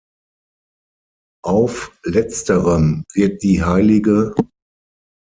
Auf letzterem wird die hl.